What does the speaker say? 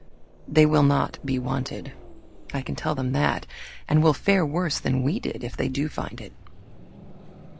They will not be wanted, I can tell them that, and will fare worse than we did if they do find it.